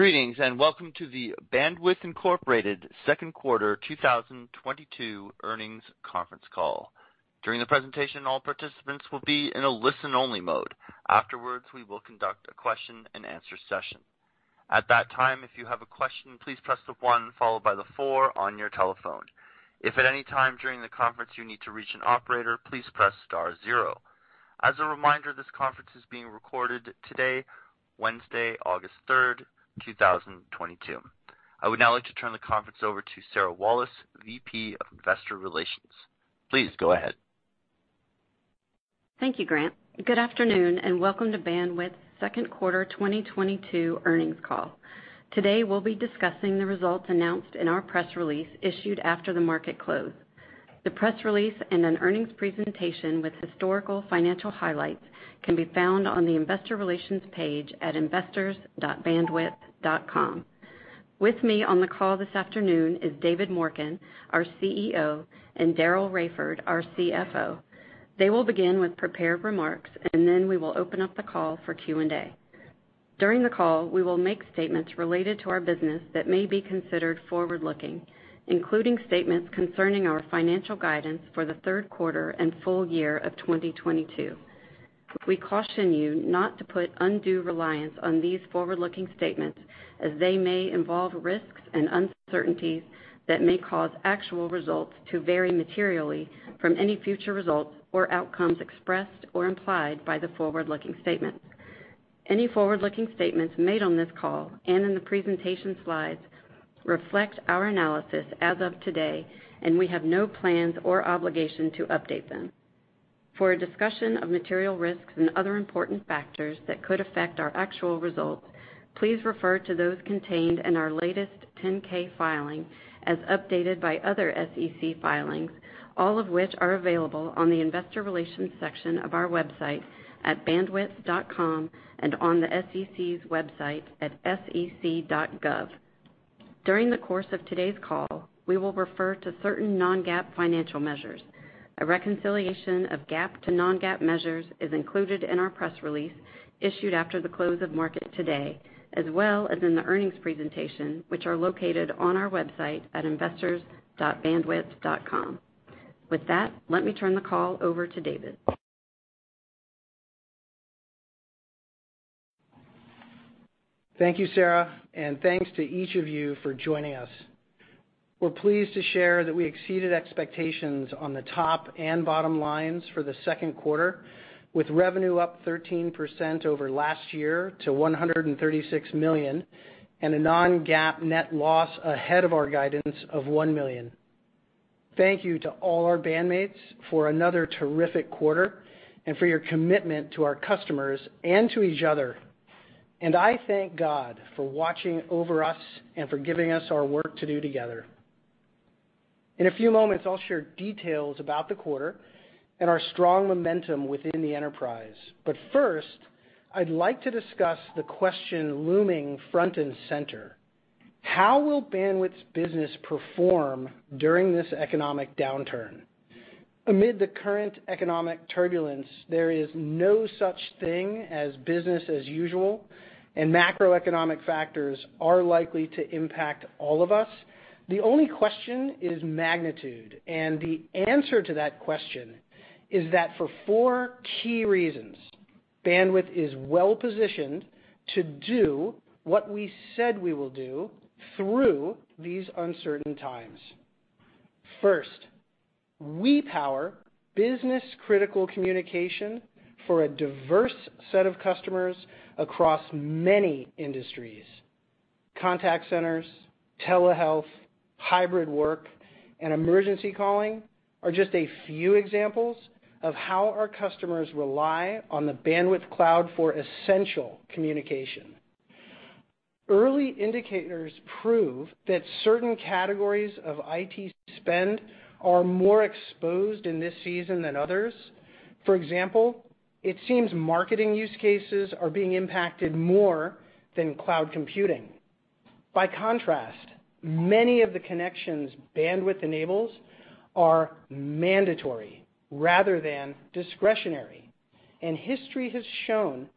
Greetings, and welcome to the Bandwidth Incorporated Second Quarter 2022 Earnings Conference Call. During the presentation, all participants will be in a listen-only mode. Afterwards, we will conduct a question-and-answer session. At that time, if you have a question, please press the one followed by the four on your telephone. If at any time during the conference you need to reach an operator, please press star zero. As a reminder, this conference is being recorded today, Wednesday, August 3rd, 2022. I would now like to turn the conference over to Sarah Wallace, VP of Investor Relations. Please go ahead. Thank you, Grant. Good afternoon, and welcome to Bandwidth second quarter 2022 earnings call. Today, we'll be discussing the results announced in our press release issued after the market close. The press release and an earnings presentation with historical financial highlights can be found on the investor relations page at investors.bandwidth.com. With me on the call this afternoon is David Morken, our CEO, and Daryl Raiford, our CFO. They will begin with prepared remarks, and then we will open up the call for Q&A. During the call, we will make statements related to our business that may be considered forward-looking, including statements concerning our financial guidance for the third quarter and full year of 2022. We caution you not to put undue reliance on these forward-looking statements as they may involve risks and uncertainties that may cause actual results to vary materially from any future results or outcomes expressed or implied by the forward-looking statements. Any forward-looking statements made on this call and in the presentation slides reflect our analysis as of today, and we have no plans or obligation to update them. For a discussion of material risks and other important factors that could affect our actual results, please refer to those contained in our latest 10-K filing as updated by other SEC filings, all of which are available on the investor relations section of our website at bandwidth.com and on the SEC's website at sec.gov. During the course of today's call, we will refer to certain non-GAAP financial measures. A reconciliation of GAAP to non-GAAP measures is included in our press release issued after the close of market today, as well as in the earnings presentation, which are located on our website at investors.bandwidth.com. With that, let me turn the call over to David. Thank you, Sarah, and thanks to each of you for joining us. We're pleased to share that we exceeded expectations on the top and bottom lines for the second quarter, with revenue up 13% over last year to $136 million, and a non-GAAP net loss ahead of our guidance of $1 million. Thank you to all our Bandmates for another terrific quarter and for your commitment to our customers and to each other, and I thank God for watching over us and for giving us our work to do together. In a few moments, I'll share details about the quarter and our strong momentum within the enterprise. First, I'd like to discuss the question looming front and center. How will Bandwidth's business perform during this economic downturn? Amid the current economic turbulence, there is no such thing as business as usual, and macroeconomic factors are likely to impact all of us. The only question is magnitude, and the answer to that question is that for four key reasons, Bandwidth is well-positioned to do what we said we will do through these uncertain times. First, we power business-critical communication for a diverse set of customers across many industries. Contact centers, telehealth, hybrid work, and emergency calling are just a few examples of how our customers rely on the Bandwidth cloud for essential communication. Early indicators prove that certain categories of IT spend are more exposed in this season than others. For example, it seems marketing use cases are being impacted more than cloud computing. By contrast, many of the connections Bandwidth enables are mandatory rather than discretionary, and history has shown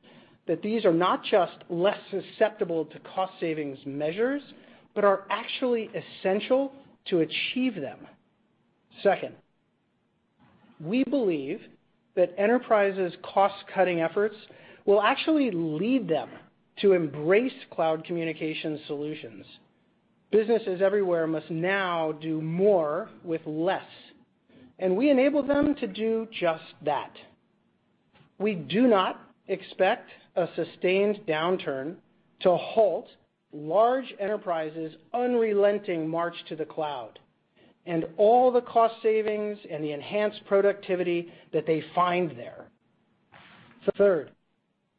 that these are not just less susceptible to cost savings measures but are actually essential to achieve them. Second, we believe that enterprises' cost-cutting efforts will actually lead them to embrace cloud communication solutions. Businesses everywhere must now do more with less, and we enable them to do just that. We do not expect a sustained downturn to halt large enterprises' unrelenting march to the cloud and all the cost savings and the enhanced productivity that they find there. Third,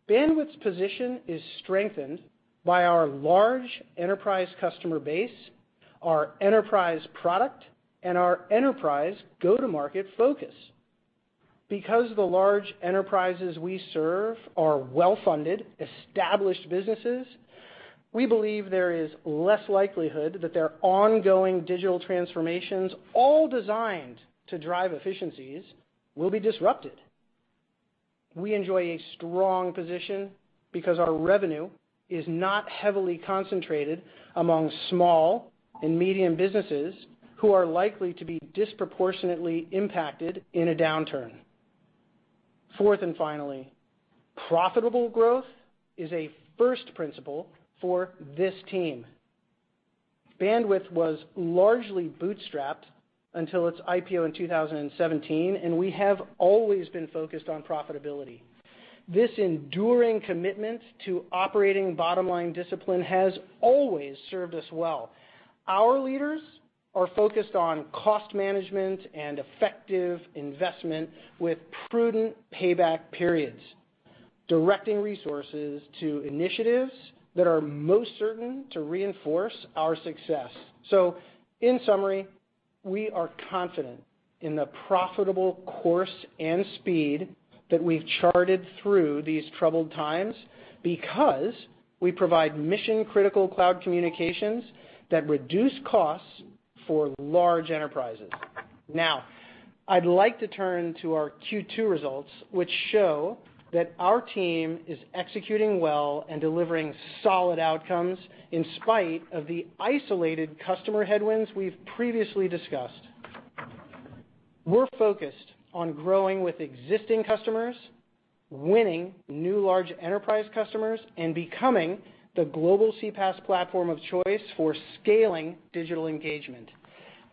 Bandwidth's position is strengthened by our large enterprise customer base, our enterprise product, and our enterprise go-to-market focus. Because the large enterprises we serve are well-funded, established businesses. We believe there is less likelihood that their ongoing digital transformations, all designed to drive efficiencies, will be disrupted. We enjoy a strong position because our revenue is not heavily concentrated among small and medium businesses who are likely to be disproportionately impacted in a downturn. Fourth, finally, profitable growth is a first principle for this team. Bandwidth was largely bootstrapped until its IPO in 2017, and we have always been focused on profitability. This enduring commitment to operating bottom-line discipline has always served us well. Our leaders are focused on cost management and effective investment with prudent payback periods, directing resources to initiatives that are most certain to reinforce our success. In summary, we are confident in the profitable course and speed that we've charted through these troubled times because we provide mission-critical cloud communications that reduce costs for large enterprises. Now, I'd like to turn to our Q2 results, which show that our team is executing well and delivering solid outcomes in spite of the isolated customer headwinds we've previously discussed. We're focused on growing with existing customers, winning new large enterprise customers, and becoming the global CPaaS platform of choice for scaling digital engagement.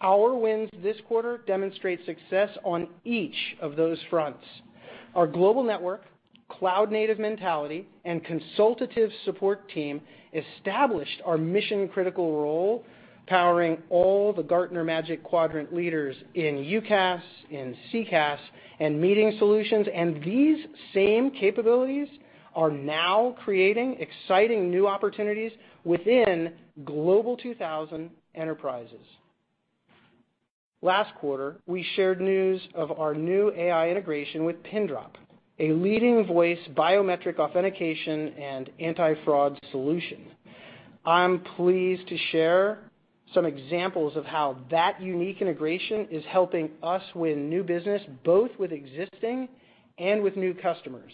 Our wins this quarter demonstrate success on each of those fronts. Our global network, cloud-native mentality, and consultative support team established our mission-critical role, powering all the Gartner Magic Quadrant leaders in UCaaS, in CCaaS, and meeting solutions. These same capabilities are now creating exciting new opportunities within Global 2000 enterprises. Last quarter, we shared news of our new AI integration with Pindrop, a leading voice biometric authentication and anti-fraud solution. I'm pleased to share some examples of how that unique integration is helping us win new business, both with existing and with new customers.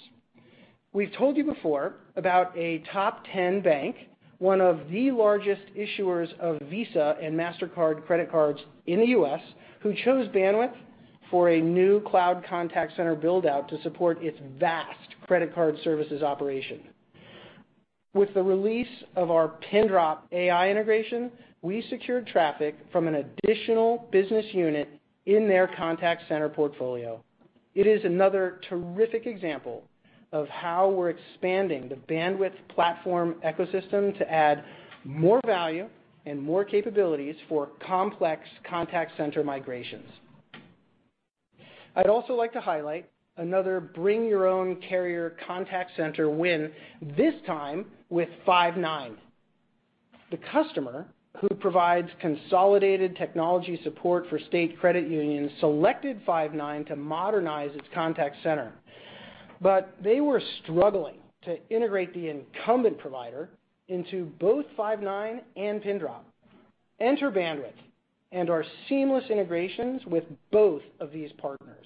We've told you before about a top 10 bank, one of the largest issuers of Visa and Mastercard credit cards in the U.S., who chose Bandwidth for a new cloud contact center build-out to support its vast credit card services operation. With the release of our Pindrop AI integration, we secured traffic from an additional business unit in their contact center portfolio. It is another terrific example of how we're expanding the Bandwidth platform ecosystem to add more value and more capabilities for complex contact center migrations. I'd also like to highlight another bring-your-own-carrier contact center win, this time with Five9. The customer, who provides consolidated technology support for state credit unions, selected Five9 to modernize its contact center. They were struggling to integrate the incumbent provider into both Five9 and Pindrop. Enter Bandwidth and our seamless integrations with both of these partners.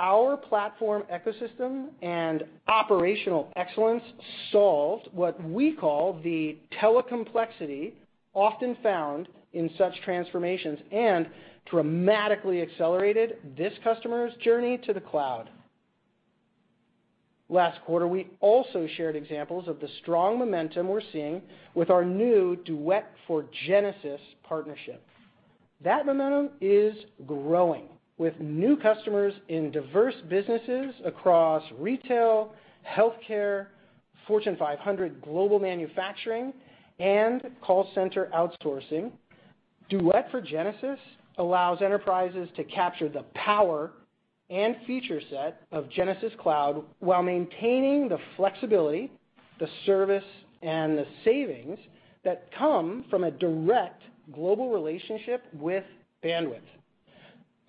Our platform ecosystem and operational excellence solved what we call the telecomplexity often found in such transformations and dramatically accelerated this customer's journey to the cloud. Last quarter, we also shared examples of the strong momentum we're seeing with our new Duet for Genesys partnership. That momentum is growing, with new customers in diverse businesses across retail, healthcare, Fortune 500 global manufacturing, and call center outsourcing. Duet for Genesys allows enterprises to capture the power and feature set of Genesys Cloud while maintaining the flexibility, the service, and the savings that come from a direct global relationship with Bandwidth.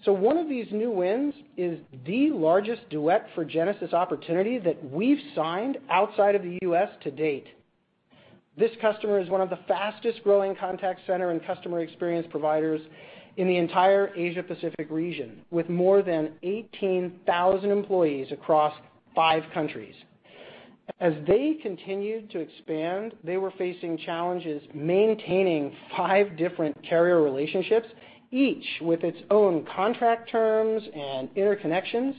One of these new wins is the largest Duet for Genesys opportunity that we've signed outside of the U.S. to date. This customer is one of the fastest-growing contact center and customer experience providers in the entire Asia-Pacific region, with more than 18,000 employees across five countries. As they continued to expand, they were facing challenges maintaining five different carrier relationships, each with its own contract terms and interconnections.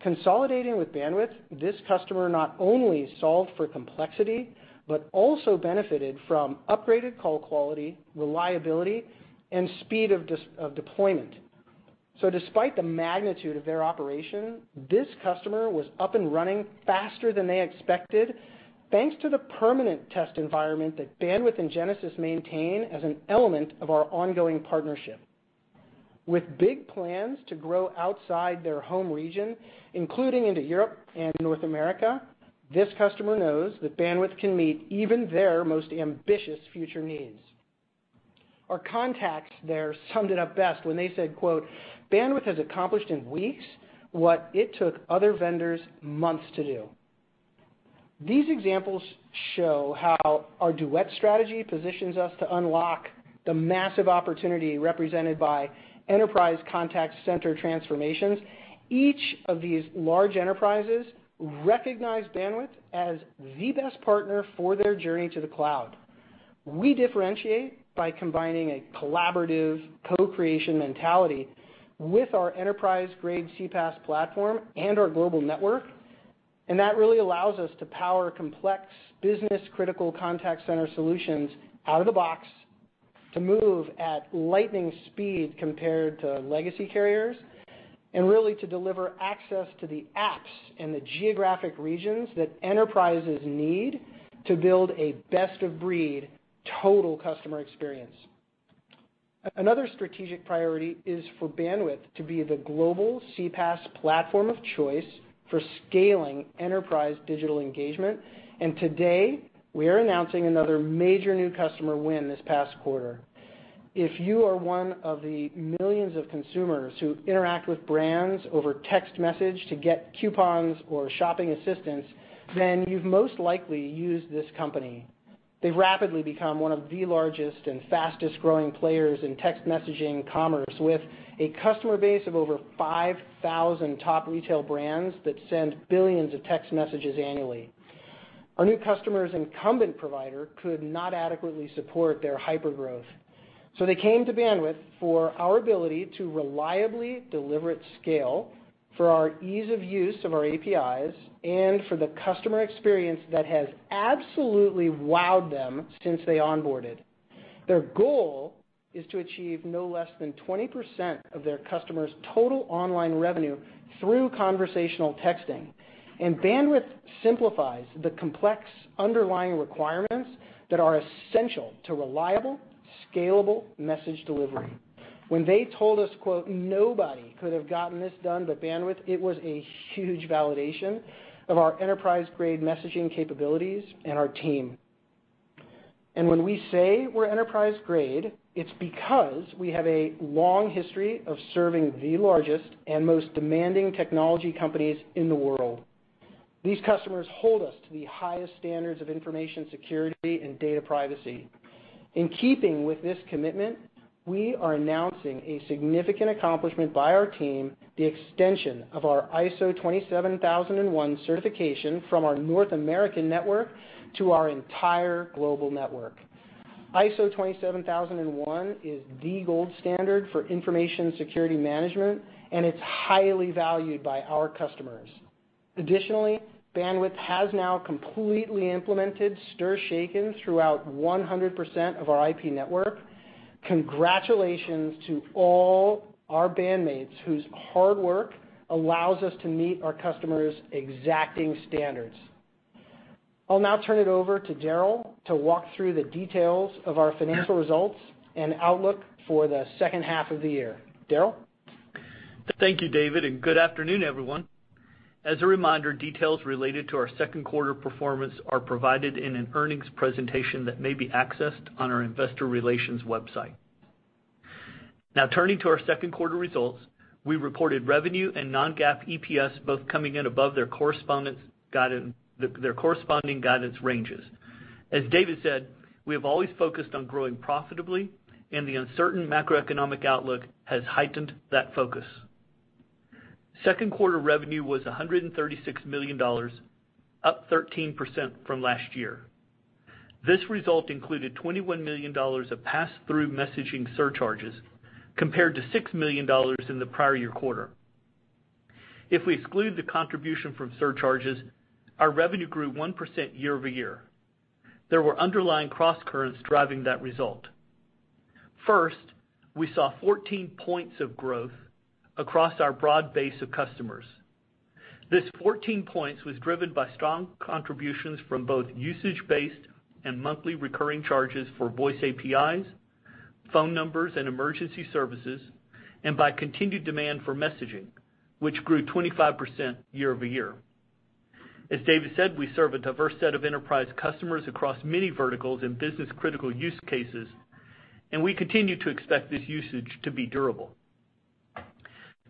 Consolidating with Bandwidth, this customer not only solved for complexity, but also benefited from upgraded call quality, reliability, and speed of deployment. Despite the magnitude of their operation, this customer was up and running faster than they expected, thanks to the permanent test environment that Bandwidth and Genesys maintain as an element of our ongoing partnership. With big plans to grow outside their home region, including into Europe and North America, this customer knows that Bandwidth can meet even their most ambitious future needs. Our contacts there summed it up best when they said, quote, "Bandwidth has accomplished in weeks what it took other vendors months to do." These examples show how our Duet strategy positions us to unlock the massive opportunity represented by enterprise contact center transformations. Each of these large enterprises recognize Bandwidth as the best partner for their journey to the cloud. We differentiate by combining a collaborative co-creation mentality with our enterprise-grade CPaaS platform and our global network. That really allows us to power complex business critical contact center solutions out of the box to move at lightning speed compared to legacy carriers, and really to deliver access to the apps in the geographic regions that enterprises need to build a best of breed total customer experience. Another strategic priority is for Bandwidth to be the global CPaaS platform of choice for scaling enterprise digital engagement. Today, we are announcing another major new customer win this past quarter. If you are one of the millions of consumers who interact with brands over text message to get coupons or shopping assistance, then you've most likely used this company. They've rapidly become one of the largest and fastest-growing players in text messaging commerce, with a customer base of over 5,000 top retail brands that send billions of text messages annually. Our new customer's incumbent provider could not adequately support their hyper-growth, so they came to Bandwidth for our ability to reliably deliver at scale for our ease of use of our APIs and for the customer experience that has absolutely wowed them since they onboarded. Their goal is to achieve no less than 20% of their customers' total online revenue through conversational texting, and Bandwidth simplifies the complex underlying requirements that are essential to reliable, scalable message delivery. When they told us, quote, "Nobody could have gotten this done but Bandwidth," it was a huge validation of our enterprise-grade messaging capabilities and our team. When we say we're enterprise-grade, it's because we have a long history of serving the largest and most demanding technology companies in the world. These customers hold us to the highest standards of information security and data privacy. In keeping with this commitment, we are announcing a significant accomplishment by our team, the extension of our ISO 27001 certification from our North American network to our entire global network. ISO 27001 is the gold standard for information security management, and it's highly valued by our customers. Additionally, Bandwidth has now completely implemented STIR/SHAKEN throughout 100% of our IP network. Congratulations to all our Bandmates whose hard work allows us to meet our customers' exacting standards. I'll now turn it over to Daryl to walk through the details of our financial results and outlook for the second half of the year. Daryl? Thank you, David, and good afternoon, everyone. As a reminder, details related to our second quarter performance are provided in an earnings presentation that may be accessed on our investor relations website. Now, turning to our second quarter results, we reported revenue and non-GAAP EPS both coming in above their corresponding guidance ranges. As David said, we have always focused on growing profitably, and the uncertain macroeconomic outlook has heightened that focus. Second quarter revenue was $136 million, up 13% from last year. This result included $21 million of passthrough messaging surcharges compared to $6 million in the prior year quarter. If we exclude the contribution from surcharges, our revenue grew 1% year-over-year. There were underlying crosscurrents driving that result. First, we saw 14 points of growth across our broad base of customers. This 14 points was driven by strong contributions from both usage-based and monthly recurring charges for voice APIs, phone numbers, and emergency services, and by continued demand for messaging, which grew 25% year-over-year. As David said, we serve a diverse set of enterprise customers across many verticals in business-critical use cases, and we continue to expect this usage to be durable.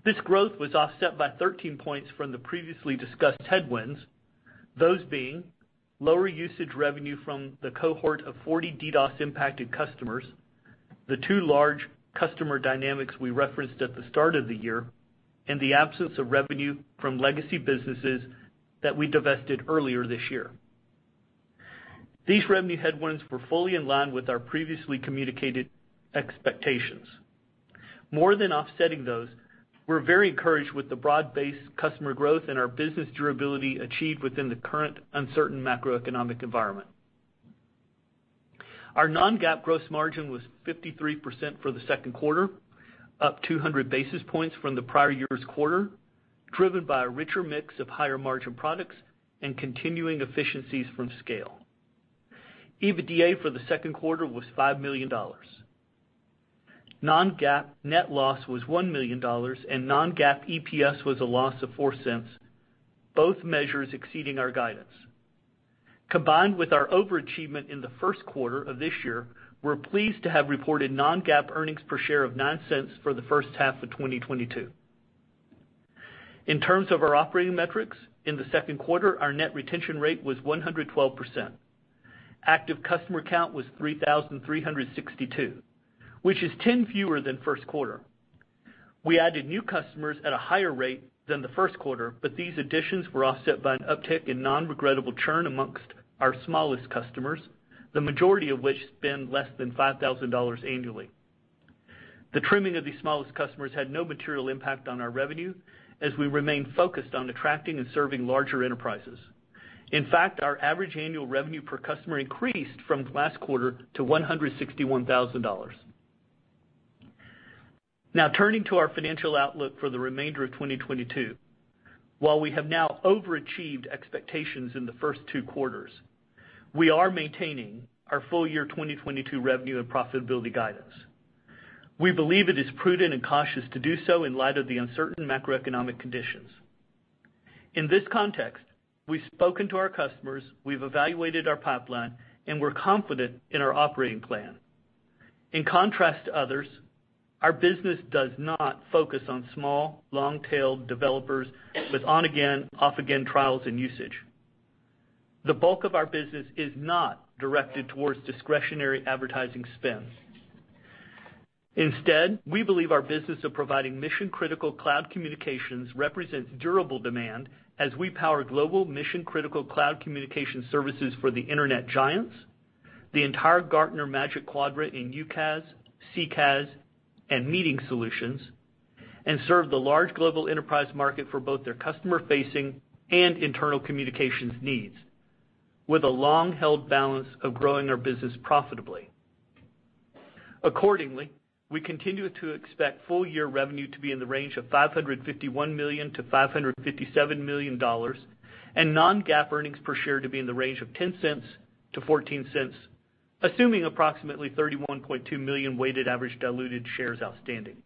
This growth was offset by 13 points from the previously discussed headwinds, those being lower usage revenue from the cohort of 40 DDoS-impacted customers, the two large customer dynamics we referenced at the start of the year, and the absence of revenue from legacy businesses that we divested earlier this year. These revenue headwinds were fully in line with our previously communicated expectations. More than offsetting those, we're very encouraged with the broad-based customer growth and our business durability achieved within the current uncertain macroeconomic environment. Our non-GAAP gross margin was 53% for the second quarter, up 200 basis points from the prior year's quarter, driven by a richer mix of higher margin products and continuing efficiencies from scale. EBITDA for the second quarter was $5 million. Non-GAAP net loss was $1 million, and non-GAAP EPS was a loss of $0.04, both measures exceeding our guidance. Combined with our overachievement in the first quarter of this year, we're pleased to have reported non-GAAP earnings per share of $0.09 for the first half of 2022. In terms of our operating metrics, in the second quarter, our net retention rate was 112%. Active customer count was 3,362, which is 10 fewer than first quarter. We added new customers at a higher rate than the first quarter, but these additions were offset by an uptick in non-regrettable churn amongst our smallest customers, the majority of which spend less than $5,000 annually. The trimming of these smallest customers had no material impact on our revenue as we remain focused on attracting and serving larger enterprises. In fact, our average annual revenue per customer increased from last quarter to $161,000. Now, turning to our financial outlook for the remainder of 2022. While we have now overachieved expectations in the first two quarters, we are maintaining our full year 2022 revenue and profitability guidance. We believe it is prudent and cautious to do so in light of the uncertain macroeconomic conditions. In this context, we've spoken to our customers, we've evaluated our pipeline, and we're confident in our operating plan. In contrast to others, our business does not focus on small, long-tailed developers with on-again, off-again trials and usage. The bulk of our business is not directed towards discretionary advertising spend. Instead, we believe our business of providing mission-critical cloud communications represents durable demand as we power global mission-critical cloud communication services for the internet giants, the entire Gartner Magic Quadrant in UCaaS, CCaaS, and meeting solutions, and serve the large global enterprise market for both their customer-facing and internal communications needs with a long-held balance of growing our business profitably. Accordingly, we continue to expect full-year revenue to be in the range of $551 million-$557 million and non-GAAP earnings per share to be in the range of $0.10-$0.14, assuming approximately 31.2 million weighted average diluted shares outstanding.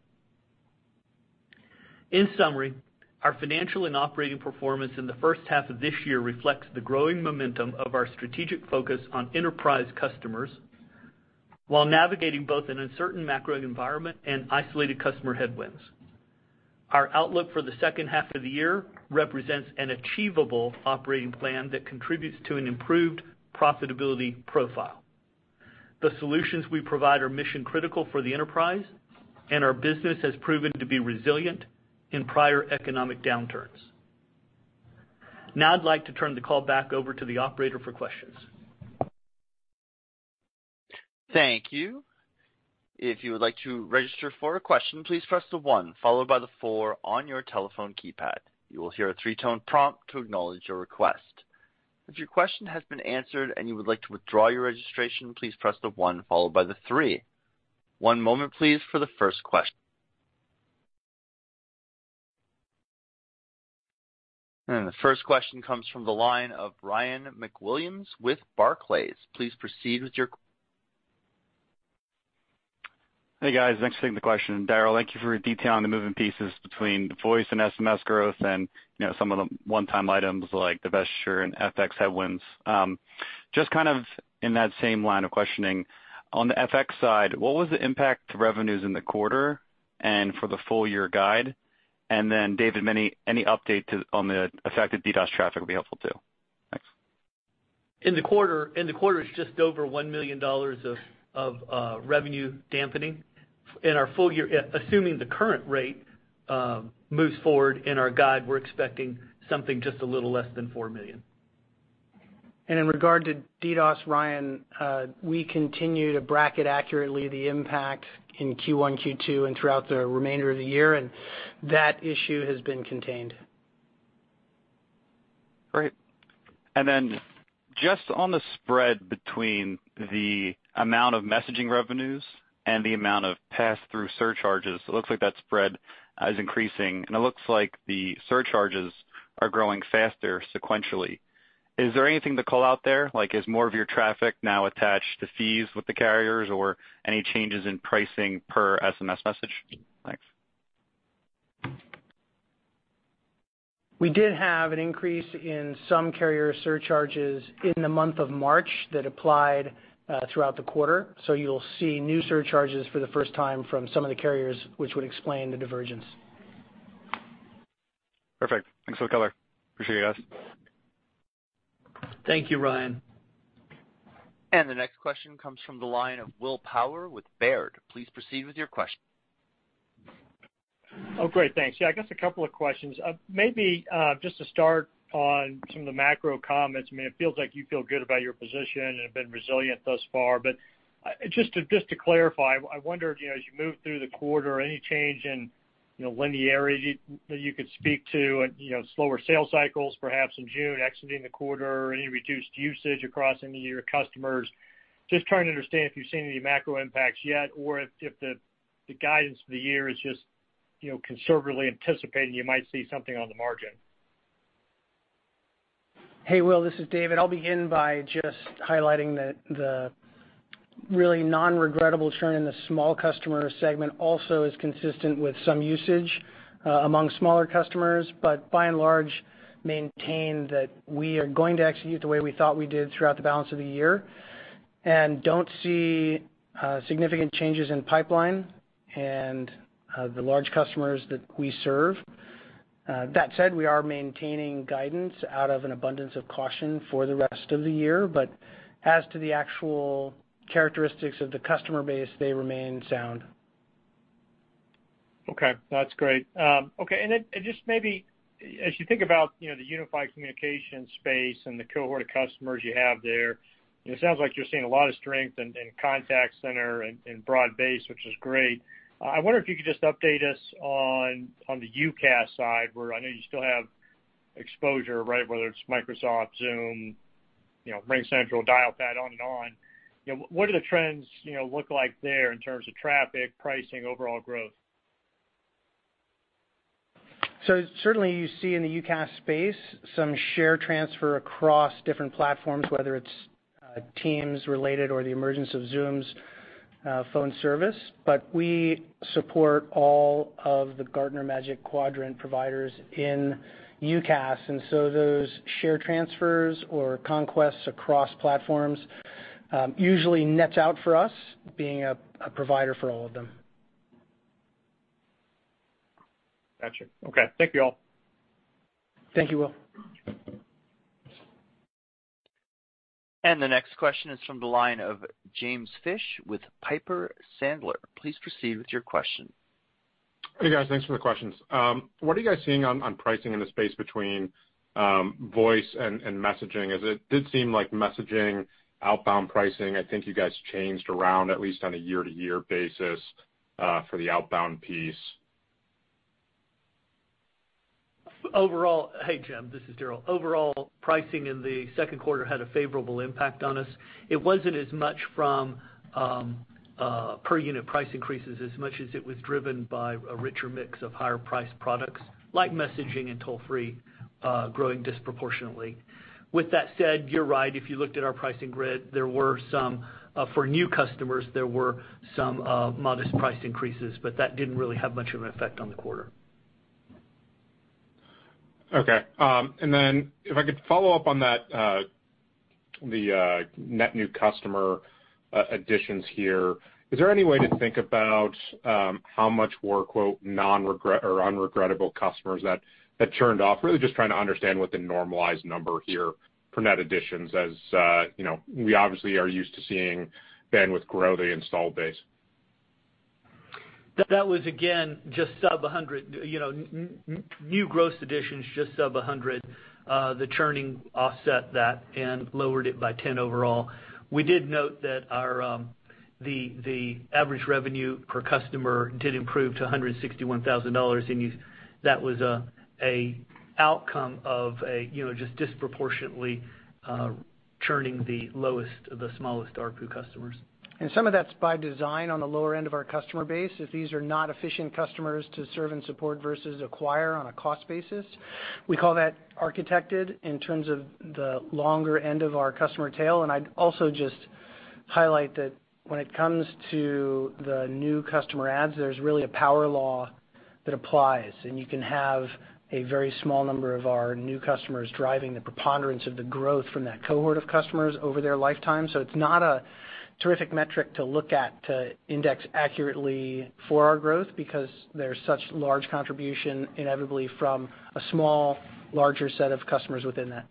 In summary, our financial and operating performance in the first half of this year reflects the growing momentum of our strategic focus on enterprise customers while navigating both an uncertain macro environment and isolated customer headwinds. Our outlook for the second half of the year represents an achievable operating plan that contributes to an improved profitability profile. The solutions we provide are mission-critical for the enterprise, and our business has proven to be resilient in prior economic downturns. Now I'd like to turn the call back over to the operator for questions. Thank you. If you would like to register for a question, please press the one followed by the four on your telephone keypad. You will hear a three-tone prompt to acknowledge your request. If your question has been answered and you would like to withdraw your registration, please press the one followed by the three. One moment, please, for the first question. The first question comes from the line of Ryan MacWilliams with Barclays. Please proceed with your question. Hey, guys. Thanks for taking the question. Daryl, thank you for your detail on the moving pieces between the voice and SMS growth and, you know, some of the one-time items like the Voxbone and FX headwinds. Just kind of in that same line of questioning, on the FX side, what was the impact to revenues in the quarter and for the full-year guide? Then David, any update on the effect of DDoS traffic would be helpful too. Thanks. In the quarter, it's just over $1 million of revenue dampening. In our full year, assuming the current rate moves forward in our guide, we're expecting something just a little less than $4 million. In regard to DDoS, Ryan, we continue to bracket accurately the impact in Q1, Q2, and throughout the remainder of the year, and that issue has been contained. Great. Just on the spread between the amount of messaging revenues and the amount of pass-through surcharges, it looks like that spread is increasing, and it looks like the surcharges are growing faster sequentially. Is there anything to call out there? Like, is more of your traffic now attached to fees with the carriers or any changes in pricing per SMS message? Thanks. We did have an increase in some carrier surcharges in the month of March that applied throughout the quarter. You'll see new surcharges for the first time from some of the carriers, which would explain the divergence. Perfect. Thanks for the color. Appreciate it, guys. Thank you, Ryan. The next question comes from the line of Will Power with Baird. Please proceed with your question. Oh, great. Thanks. Yeah, I guess a couple of questions. Maybe just to start on some of the macro comments. I mean, it feels like you feel good about your position and have been resilient thus far. Just to clarify, I wondered, you know, as you move through the quarter, any change in, you know, linearity that you could speak to and, you know, slower sales cycles perhaps in June exiting the quarter? Any reduced usage across any of your customers? Just trying to understand if you've seen any macro impacts yet or if the guidance for the year is just, you know, conservatively anticipating you might see something on the margin. Hey, Will, this is David. I'll begin by just highlighting the really non-regrettable churn in the small customer segment also is consistent with some usage among smaller customers. By and large, maintain that we are going to execute the way we thought we did throughout the balance of the year, and don't see significant changes in pipeline and the large customers that we serve. That said, we are maintaining guidance out of an abundance of caution for the rest of the year. As to the actual characteristics of the customer base, they remain sound. Okay. That's great. Just maybe as you think about, you know, the unified communication space and the cohort of customers you have there, it sounds like you're seeing a lot of strength in contact center and broad base, which is great. I wonder if you could just update us on the UCaaS side, where I know you still have exposure, right? Whether it's Microsoft, Zoom, you know, RingCentral, Dialpad on and on. You know, what are the trends, you know, look like there in terms of traffic, pricing, overall growth? Certainly, you see in the UCaaS space some share transfer across different platforms, whether it's Teams related or the emergence of Zoom's phone service. We support all of the Gartner Magic Quadrant providers in UCaaS. Those share transfers or conquests across platforms usually nets out for us being a provider for all of them. Got you. Okay. Thank you all. Thank you, Will. The next question is from the line of James Fish with Piper Sandler. Please proceed with your question. Hey, guys. Thanks for the questions. What are you guys seeing on pricing in the space between voice and messaging, as it did seem like messaging outbound pricing, I think you guys changed around at least on a year-to-year basis, for the outbound piece. Hey, Jim, this is Daryl. Overall, pricing in the second quarter had a favorable impact on us. It wasn't as much from per unit price increases as much as it was driven by a richer mix of higher-priced products like messaging and toll-free growing disproportionately. With that said, you're right. If you looked at our pricing grid, there were some, for new customers, modest price increases, but that didn't really have much of an effect on the quarter. Okay. If I could follow up on that, the net new customer additions here. Is there any way to think about how much were, quote, "non-regret or unregrettable customers" that churned off? Really just trying to understand what the normalized number here for net additions as, you know, we obviously are used to seeing Bandwidth grow the installed base. That was, again, just sub 100, you know. New gross additions, just sub 100. The churning offset that and lowered it by 10 overall. We did note that our average revenue per customer did improve to $161,000, and that was a outcome of just disproportionately churning the lowest, the smallest ARPU customers. Some of that's by design on the lower end of our customer base. If these are not efficient customers to serve and support versus acquire on a cost basis, we call that architected in terms of the longer end of our customer tail. I'd also just highlight that when it comes to the new customer adds, there's really a power law that applies, and you can have a very small number of our new customers driving the preponderance of the growth from that cohort of customers over their lifetime. It's not a terrific metric to look at to index accurately for our growth because there's such large contribution inevitably from a small, larger set of customers within that.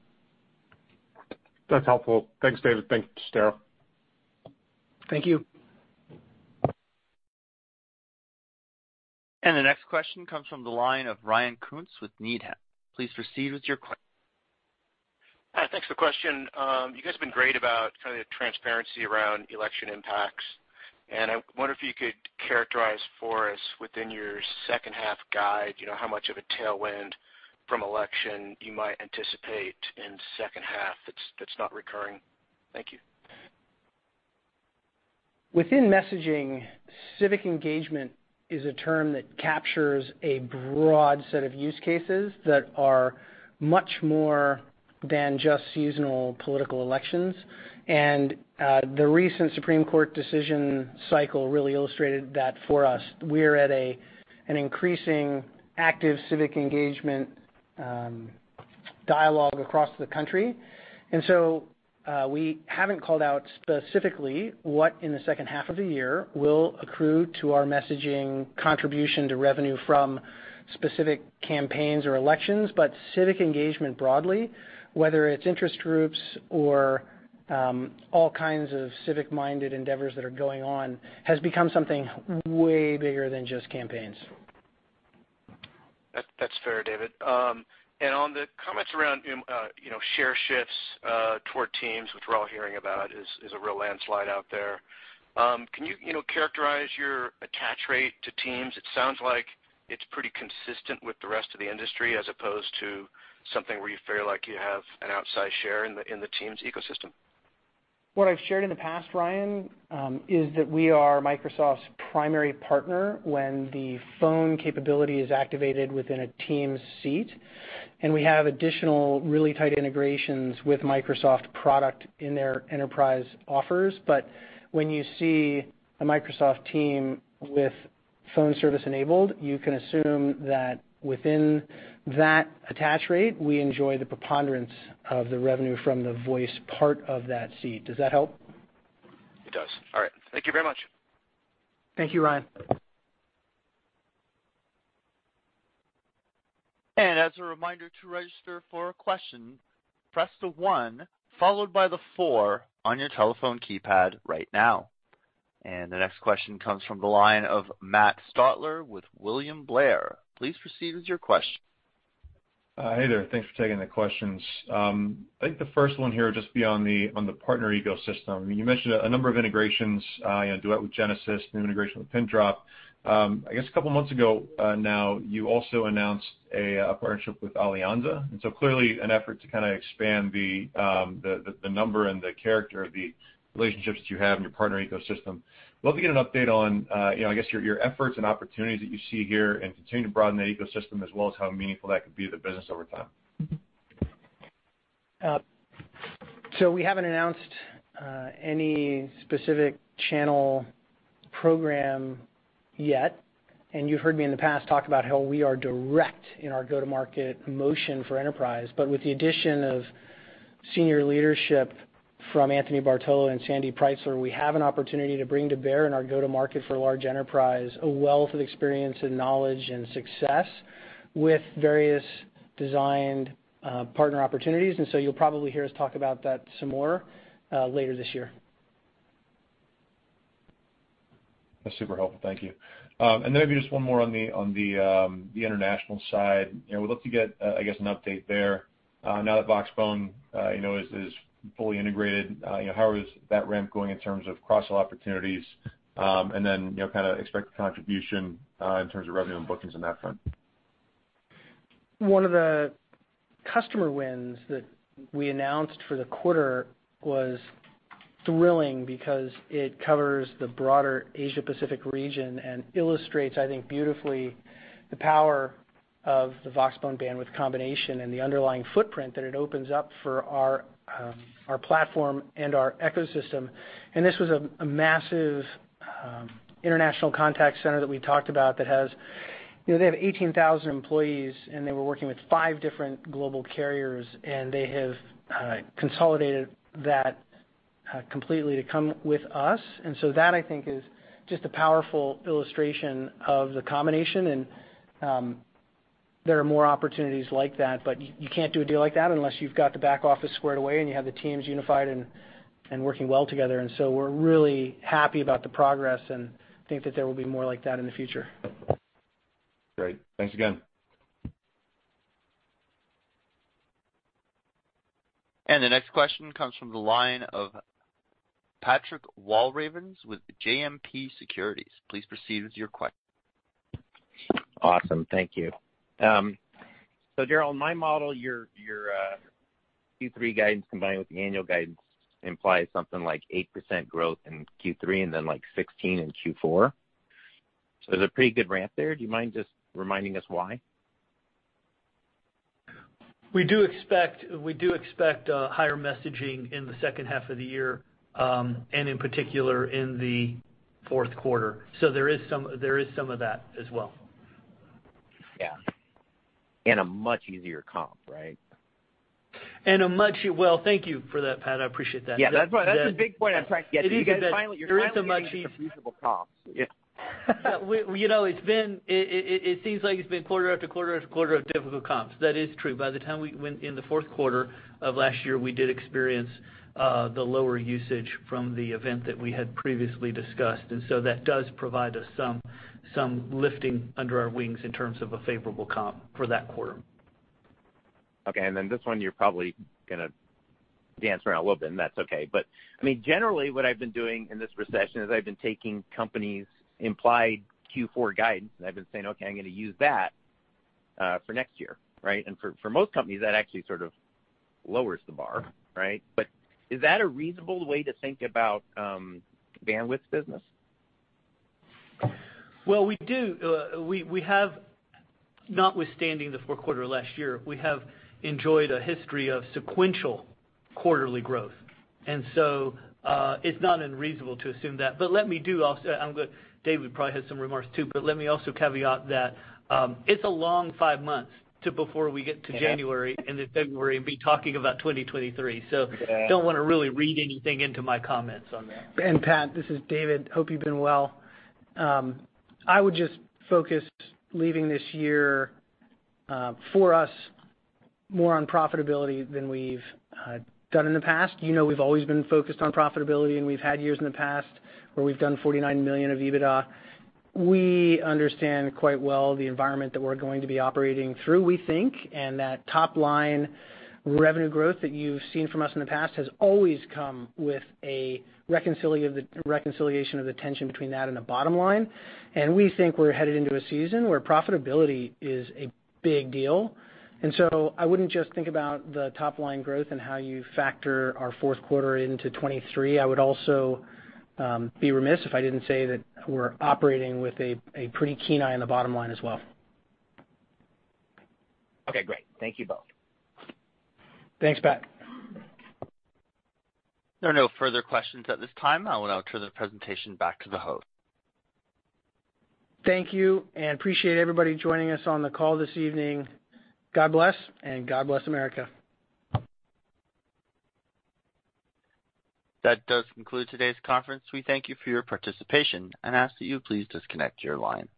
That's helpful. Thanks, David. Thanks, Daryl. Thank you. The next question comes from the line of Ryan Koontz with Needham. Please proceed with your question. Hi, thanks for the question. You guys have been great about kind of the transparency around election impacts, and I wonder if you could characterize for us within your second half guide, you know, how much of a tailwind from election you might anticipate in second half that's not recurring. Thank you. Within messaging, civic engagement is a term that captures a broad set of use cases that are much more than just seasonal political elections. The recent Supreme Court decision cycle really illustrated that for us. We're at an increasingly active civic engagement dialogue across the country. We haven't called out specifically what in the second half of the year will accrue to our messaging contribution to revenue from specific campaigns or elections. Civic engagement broadly, whether it's interest groups or all kinds of civic-minded endeavors that are going on, has become something way bigger than just campaigns. That, that's fair, David. On the comments around, you know, share shifts toward Teams, which we're all hearing about is a real landslide out there. Can you know, characterize your attach rate to Teams? It sounds like it's pretty consistent with the rest of the industry as opposed to something where you feel like you have an outsized share in the Teams ecosystem. What I've shared in the past, Ryan, is that we are Microsoft's primary partner when the phone capability is activated within a Teams seat, and we have additional really tight integrations with Microsoft products in their enterprise offerings. When you see a Microsoft Teams with Phone service enabled, you can assume that within that attach rate, we enjoy the preponderance of the revenue from the voice part of that seat. Does that help? It does. All right. Thank you very much. Thank you, Ryan. As a reminder to register for a question, press the one followed by the four on your telephone keypad right now. The next question comes from the line of Matt Stotler with William Blair. Please proceed with your question. Hi there. Thanks for taking the questions. I think the first one here would just be on the partner ecosystem. You mentioned a number of integrations, you know, Duet for Genesys, new integration with Pindrop. I guess a couple of months ago, now, you also announced a partnership with Alianza. Clearly an effort to kinda expand the number and the character of the relationships that you have in your partner ecosystem. Love to get an update on, you know, I guess your efforts and opportunities that you see here and continue to broaden that ecosystem as well as how meaningful that could be to the business over time. We haven't announced any specific channel program yet, and you've heard me in the past talk about how we are direct in our go-to-market motion for enterprise. With the addition of senior leadership from Anthony Bartolo and Sandy Preizler, we have an opportunity to bring to bear in our go-to-market for large enterprise a wealth of experience and knowledge and success with various designed partner opportunities. You'll probably hear us talk about that some more later this year. That's super helpful. Thank you. Maybe just one more on the international side. You know, we'd love to get, I guess, an update there, now that Voxbone, you know, is fully integrated. You know, how is that ramp going in terms of cross-sell opportunities? You know, kinda expected contribution, in terms of revenue and bookings on that front. One of the customer wins that we announced for the quarter was thrilling because it covers the broader Asia-Pacific region and illustrates, I think, beautifully, the power of the Voxbone Bandwidth combination and the underlying footprint that it opens up for our platform and our ecosystem. This was a massive international contact center that we talked about that has. You know, they have 18,000 employees, and they were working with five different global carriers, and they have consolidated that completely to come with us. That I think is just a powerful illustration of the combination. There are more opportunities like that, but you can't do a deal like that unless you've got the back office squared away, and you have the teams unified and working well together. We're really happy about the progress and think that there will be more like that in the future. Great. Thanks again. The next question comes from the line of Patrick Walravens with JMP Securities. Please proceed with your question. Awesome. Thank you. Daryl, in my model, your Q3 guidance combined with the annual guidance implies something like 8% growth in Q3 and then, like, 16% in Q4. There's a pretty good ramp there. Do you mind just reminding us why? We do expect higher messaging in the second half of the year, and in particular in the fourth quarter. There is some of that as well. Yeah. A much easier comp, right? Well, thank you for that, Pat. I appreciate that. That's a big point I'm trying to get to. It is a big- Yeah. You know, it seems like it's been quarter after quarter after quarter of difficult comps. That is true. In the fourth quarter of last year, we did experience the lower usage from the event that we had previously discussed. So that does provide us some lifting under our wings in terms of a favorable comp for that quarter. Okay. Then this one, you're probably gonna dance around a little bit, and that's okay. I mean, generally, what I've been doing in this recession is I've been taking companies' implied Q4 guidance, and I've been saying, "Okay, I'm gonna use that for next year," right? For most companies, that actually sort of lowers the bar, right? Is that a reasonable way to think about Bandwidth business? Well, we do. We have, notwithstanding the fourth quarter of last year, we have enjoyed a history of sequential quarterly growth. It's not unreasonable to assume that. Let me do also David probably has some remarks too, but let me also caveat that, it's a long five months to before we get to January. Yeah Into February we'll be talking about 2023. Yeah. Don't wanna really read anything into my comments on that. Pat, this is David. Hope you've been well. I would just focus leaving this year, for us more on profitability than we've done in the past. You know, we've always been focused on profitability, and we've had years in the past where we've done $49 million of EBITDA. We understand quite well the environment that we're going to be operating through, we think, and that top line revenue growth that you've seen from us in the past has always come with a reconciliation of the tension between that and the bottom line. We think we're headed into a season where profitability is a big deal. I wouldn't just think about the top line growth and how you factor our fourth quarter into 2023. I would also be remiss if I didn't say that we're operating with a pretty keen eye on the bottom line as well. Okay, great. Thank you both. Thanks, Pat. There are no further questions at this time. I will now turn the presentation back to the host. Thank you and appreciate everybody joining us on the call this evening. God bless and God bless America. That does conclude today's conference. We thank you for your participation and ask that you please disconnect your line.